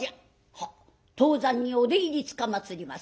「はっ当山にお出入りつかまつります